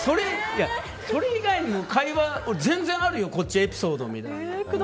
それ以外にも会話、俺全然あるよ、エピソードみたいな。